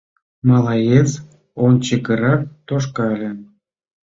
— Малаец ончыкырак тошкале.